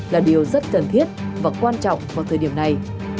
là điều rất cần thiết và quan trọng vào thời điểm này